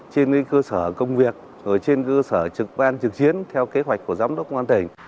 trên cơ sở công việc trên cơ sở trực ban trực chiến theo kế hoạch của giám đốc công an tỉnh